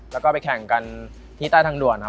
แล้วก็ไปแข่งกันที่ใต้ทางด่วนครับ